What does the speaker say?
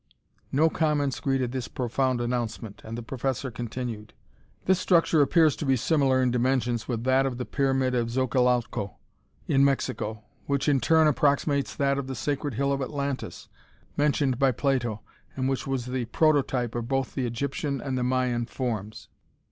No comments greeted this profound announcement and the professor continued: "This structure appears to be similar in dimensions with that of the pyramid of Xochicalco, in Mexico, which in turn approximates that of the "Sacred Hill" of Atlantis, mentioned by Plato, and which was the prototype of both the Egyptian and Mayan forms.